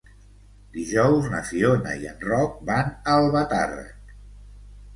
Dijous na Fiona i en Roc van a Albatàrrec.